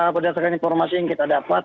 berdasarkan informasi yang kita dapat